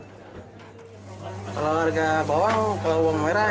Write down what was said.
kalau harga bawang kalau bawang merah